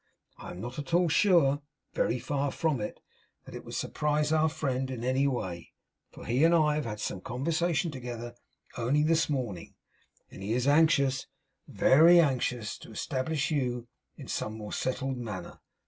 I am not at all sure very far from it that it would surprise our friend in any way, for he and I have had some conversation together only this morning, and he is anxious, very anxious, to establish you in some more settled manner.